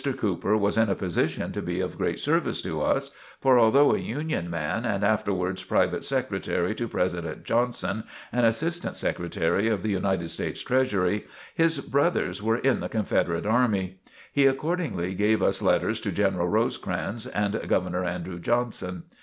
Cooper was in a position to be of great service to us, for although a Union man and afterwards private secretary to President Johnson and Assistant Secretary of the United States Treasury, his brothers were in the Confederate Army. He accordingly gave us letters to General Rosecrans and Governor Andrew Johnson.